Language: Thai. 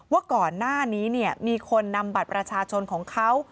ว่าก่อนหน้านี้มีคนนำบัตรประชาชนของเขา